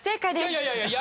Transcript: いやいやいやいや。